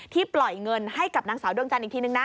ปล่อยเงินให้กับนางสาวดวงจันทร์อีกทีนึงนะ